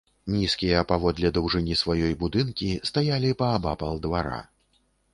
Нізкія, паводле даўжыні сваёй, будынкі стаялі паабапал двара.